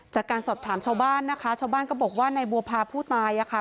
จากการสอบถามชาวบ้านนะคะชาวบ้านก็บอกว่าในบัวพาผู้ตายอ่ะค่ะ